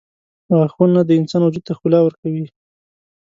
• غاښونه د انسان وجود ته ښکلا ورکوي.